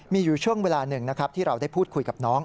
มีอยู่ช่วงเวลาหนึ่งนะครับที่เราได้พูดคุยกับน้อง